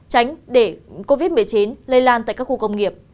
tránh để covid một mươi chín lây lan tại các khu công nghiệp